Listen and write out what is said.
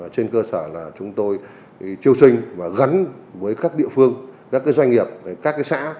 trên cơ sở là chúng tôi triêu sinh và gắn với các địa phương các doanh nghiệp các xã